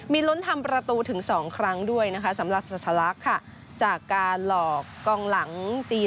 มีลุ้นทำประตูถึง๒ครั้งด้วยนะคะสำหรับสลักษณ์ค่ะจากการหลอกกองหลังจีน